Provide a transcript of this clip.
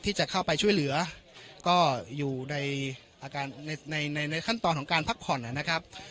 ที่จะเข้าไปช่วยเหลือก็อยู่ในอาการในในขั้นตอนของการพักผ่อนนะครับ